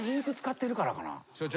所長。